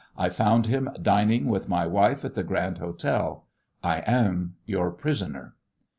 "I found him dining with my wife at the Grand Hotel. I am your prisoner."